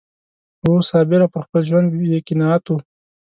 وو صابره پر خپل ژوند یې قناعت و